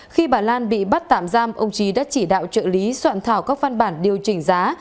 khi bà lan bị bắt tạm giam ông trí đã chỉ đạo trợ lý soạn thảo các văn bản điều chỉnh giá